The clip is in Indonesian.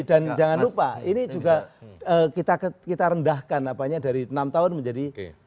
dan jangan lupa ini juga kita rendahkan dari enam tahun menjadi